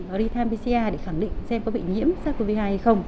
nó đi tham pcr để khẳng định xem có bị nhiễm sars cov hai hay không